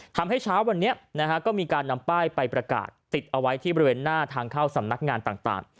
เช้าวันนี้ก็มีการนำป้ายไปประกาศติดเอาไว้ที่บริเวณหน้าทางเข้าสำนักงานต่าง